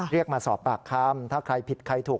เรียกมาสอบปากคำถ้าใครผิดใครถูก